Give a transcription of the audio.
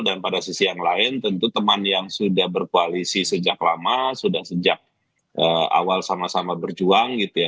dan pada sisi yang lain tentu teman yang sudah berkoalisi sejak lama sudah sejak awal sama sama berjuang gitu ya